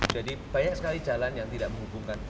banyak sekali jalan yang tidak menghubungkan